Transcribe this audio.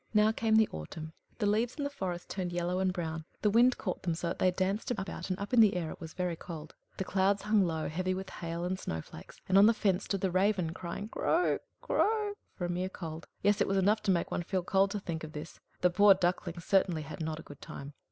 Now came the autumn. The leaves in the forest turned yellow and brown; the wind caught them so that they danced about, and up in the air it was very cold. The clouds hung low, heavy with hail and snow flakes, and on the fence stood the raven, crying, "Croak! croak!" for mere cold; yes, it was enough to make one feel cold to think of this. The poor little Duckling certainly had not a good time.